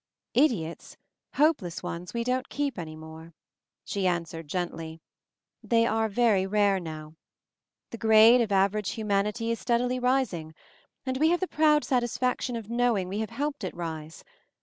"Idiots, hopeless ones, we don't keep any more," she answered gently. "They are very rare now. The grade of average hu manity is steadily rising; and we have the proud satisfaction of knowing we have helped it rise.